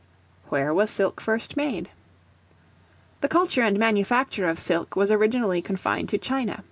Where was Silk first made? The culture and manufacture of silk was originally confined to China.